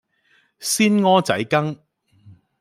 鮮蚵仔羹